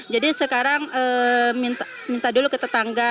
jadi sekarang minta dulu ke tetangga